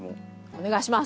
お願いします。